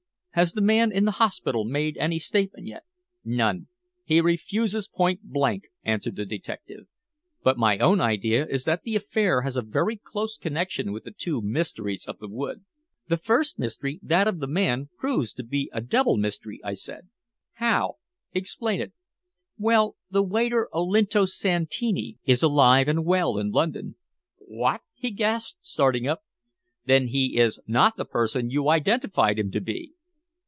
"Has the man in the hospital made any statement yet?" "None. He refuses point blank," answered the detective. "But my own idea is that the affair has a very close connection with the two mysteries of the wood." "The first mystery that of the man proves to be a double mystery," I said. "How? Explain it." "Well, the waiter Olinto Santini is alive and well in London." "What!" he gasped, starting up. "Then he is not the person you identified him to be?"